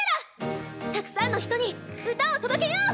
たくさんの人に歌を届けよう！